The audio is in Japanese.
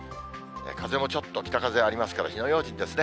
風もちょっと北風ありますから、火の用心ですね。